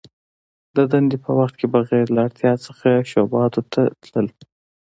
د دندي په وخت کي بغیر له اړتیا څخه شعباتو ته تلل .